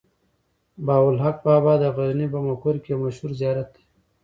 بهاوالحق بابا د غزني په مقر کې يو مشهور زيارت دی.